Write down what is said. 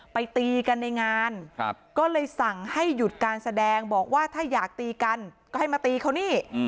ตีกันในงานก็เลยสั่งให้หยุดการแสดงบอกว่าถ้าอยากตีกันก็ให้มาตีเขานี่